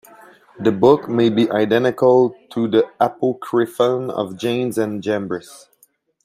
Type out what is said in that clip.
The book may be identical to the Apocryphon of Jannes and Jambres.